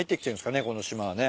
この島はね。